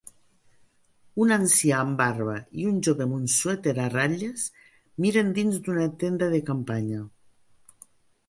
Un ancià amb barba i un jove amb un suèter a ratlles miren dins d'una tenda de campanya